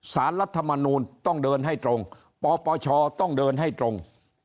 รัฐมนูลต้องเดินให้ตรงปปชต้องเดินให้ตรง